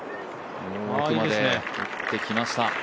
奥まで打ってきました